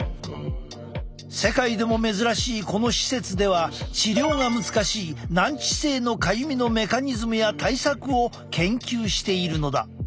世界でも珍しいこの施設では治療が難しい難治性のかゆみのメカニズムや対策を研究しているのだ。